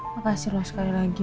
makasih sekali lagi